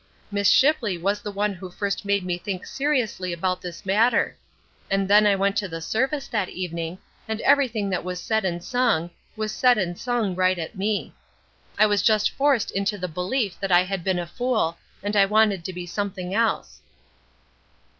Miss Shipley was the one who first made me think seriously about this matter; and then I went to the service that evening, and everything that was said and sung, was said and sung right at me. I was just forced into the belief that I had been a fool, and I wanted to be something else."